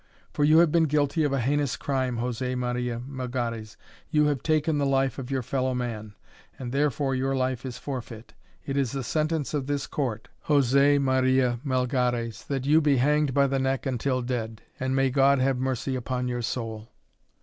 For you have been guilty of a heinous crime, José Maria Melgares; you have taken the life of your fellow man, and therefore your life is forfeit. It is the sentence of this court, José Maria Melgares, that you be hanged by the neck until dead. And may God have mercy upon your soul!"